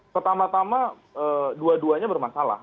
pertama tama dua duanya bermasalah